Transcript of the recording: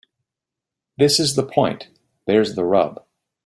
this is the point. There's the rub